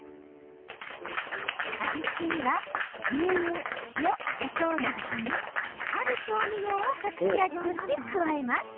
味付けには、牛乳、塩こしょうのほかに、ある調味料を隠し味として加えます。